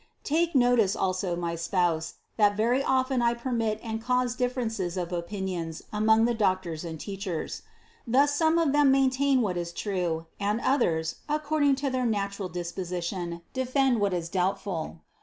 77. "Take notice also, my spouse, that very often I permit and cause differences of opinions among the doc tors and teachers. Thus some of them maintain what is true and others, according to their natural disposition, defend what is doubtful.